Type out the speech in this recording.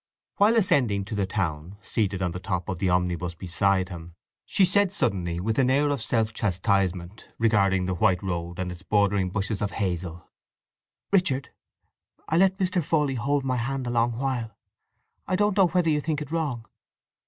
While ascending to the town, seated on the top of the omnibus beside him, she said suddenly and with an air of self chastisement, regarding the white road and its bordering bushes of hazel: "Richard—I let Mr. Fawley hold my hand a long while. I don't know whether you think it wrong?"